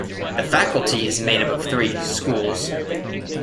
The Faculty is made up of three 'schools'.